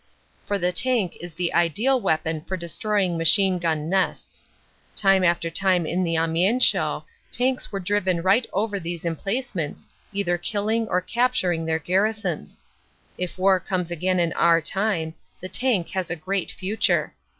For the tank is the ideal weapon for destroying machine gun nests. Time after time in the Amiens show tanks were driven right over these emplacements, either killing or captur ing their garrisons. If war comes again in our time, the tank has a great future.